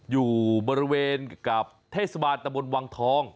อยู่บริเวณกับเทศบาลตะบนวังทอง